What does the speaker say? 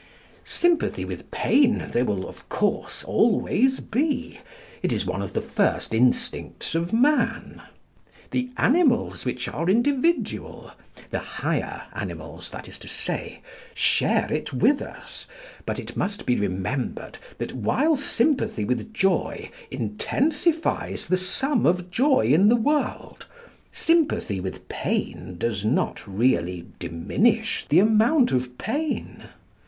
Sympathy with pain there will, of course, always be. It is one of the first instincts of man. The animals which are individual, the higher animals, that is to say, share it with us. But it must be remembered that while sympathy with joy intensifies the sum of joy in the world, sympathy with pain does not really diminish the amount of pain.